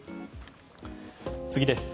次です。